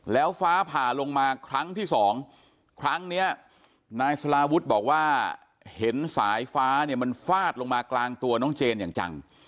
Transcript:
แล้วฟ้าผ่าลงมาครั้งที่สองครั้งเนี้ยนายสลาวุฒิบอกว่าเห็นสายฟ้าเนี่ยมันฟาดลงมากลางตัวน้องเจนอย่างจัง